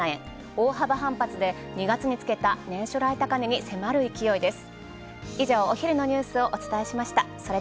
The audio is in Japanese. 大幅反発で２月につけた年初来安値に迫る勢いです。